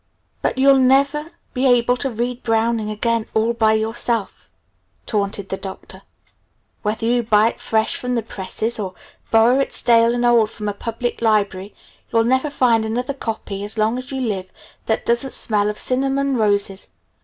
"But you'll never be able to read Browning again 'all by yourself'," taunted the Doctor. "Whether you buy it fresh from the presses or borrow it stale and old from a public library, you'll never find another copy as long as you live that doesn't smell of cinnamon roses.